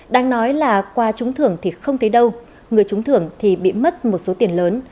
đang nói là qua trúng thưởng thì không thấy đâu người trúng thưởng thì bị mất một số tiền lớn